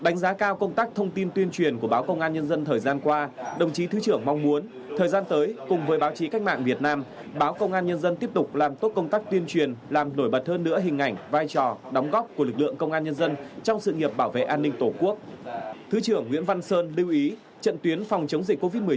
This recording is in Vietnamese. chào lãng hoa chúc mừng báo công an nhân dân thứ trưởng nguyễn văn sơn ghi nhận biểu dương báo công an nhân dân đã thực hiện quyết liệt chỉ đạo của lãnh đạo bộ để sớm đưa báo công an nhân dân vào hoạt động ổn định lâu dài tại số hai đinh lễ quận hoàn kiếm thành phố hà nội